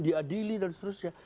diadili dan seterusnya